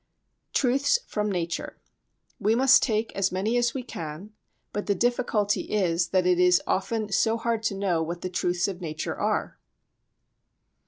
Truths from Nature We must take as many as we can, but the difficulty is that it is often so hard to know what the truths of nature are.